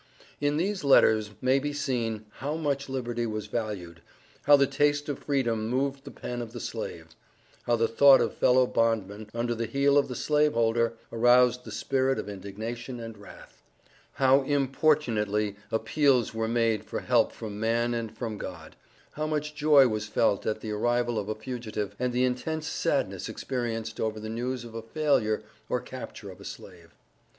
In these letters, may be seen, how much liberty was valued, how the taste of Freedom moved the pen of the slave; how the thought of fellow bondmen, under the heel of the slave holder, aroused the spirit of indignation and wrath; how importunately appeals were made for help from man and from God; how much joy was felt at the arrival of a fugitive, and the intense sadness experienced over the news of a failure or capture of a slave.